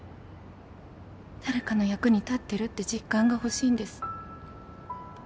誰かの役に立ってるって実感がほしいんです